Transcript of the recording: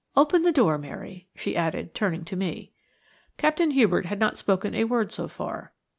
Open the door, Mary," she added, turning to me. Captain Hubert had not spoken a word so far.